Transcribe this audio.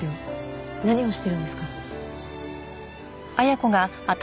何をしてるんですか？